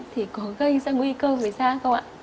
thì có gây ra nguy cơ gì ra không ạ